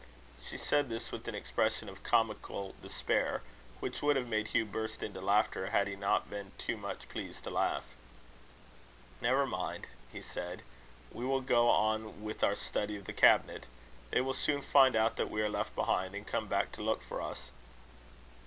She said this with an expression of comical despair, which would have made Hugh burst into laughter, had he not been too much pleased to laugh. "Never mind," he said, "we will go on with our study of the cabinet. They will soon find out that we are left behind, and come back to look for us."